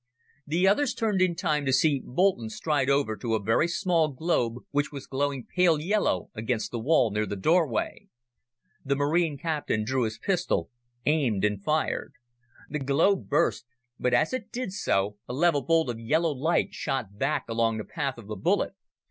The others turned in time to see Boulton stride over to a very small globe which was glowing pale yellow against the wall near the doorway. The Marine captain drew his pistol, aimed and fired. The globe burst, but as it did so, a level bolt of yellow light shot back along the path of the bullet.